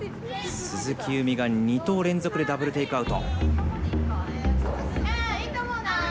鈴木夕湖が２投連続でダブルテイクアウト。